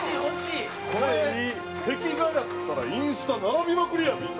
これ壁画やったらインスタ並びまくりやみんな！